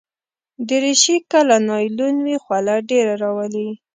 دریشي که له نایلون وي، خوله ډېره راولي.